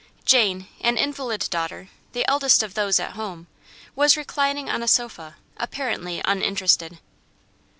Jane, an invalid daughter, the eldest of those at home, was reclining on a sofa apparently uninterested.